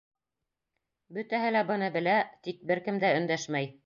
Бөтәһе лә быны белә, тик бер кем дә өндәшмәй.